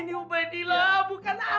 demas siapa kayak dok